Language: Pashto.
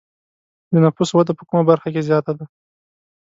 د نفوسو وده په کومه برخه کې زیاته ده؟